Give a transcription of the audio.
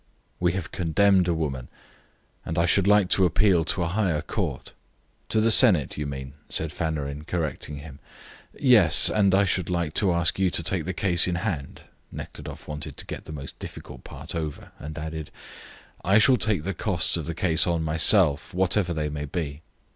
"We have condemned a woman, and I should like to appeal to a higher court." "To the Senate, you mean," said Fanarin, correcting him. "Yes, and I should like to ask you to take the case in hand." Nekhludoff wanted to get the most difficult part over, and added, "I shall take the costs of the case on myself, whatever they may be."